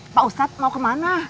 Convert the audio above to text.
pak ustadz mau kemana